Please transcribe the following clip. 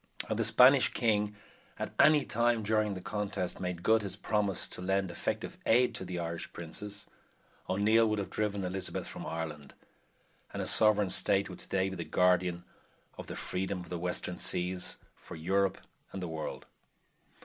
Had the Spanish king at any time during the contest made good his promise to lend effective aid to the Irish princes, O'Neill would have driven Elizabeth from Ireland, and a sovereign State would today be the guardian of the freedom of the western seas for Europe and the world.